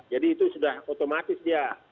jadi itu sudah otomatis ya